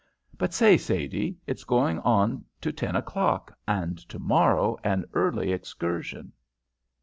But, say, Sadie, it's going on to ten o'clock, and tomorrow an early excursion."